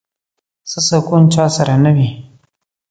څه سکون چا سره نه وي